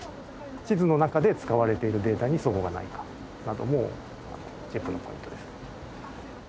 地図の中で使われているデータに齟齬がないかなどもチェックのポイントですね。